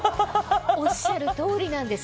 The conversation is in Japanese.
おっしゃる通りなんです。